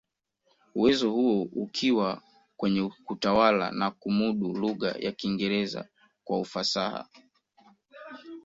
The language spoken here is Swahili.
Uwezo huo ukiwa kwenye kutawala na kumudu lugha ya Kiingereza kwa ufasaha